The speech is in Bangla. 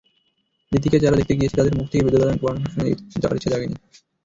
দিতিকে যারা দেখতে গিয়েছে তাদের মুখ থেকে বেদনাদায়ক বর্ণনা শুনে, যাওয়ার ইচ্ছা জাগেনি।